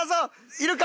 いるか？